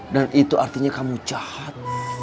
dan itu artinya kamu jahat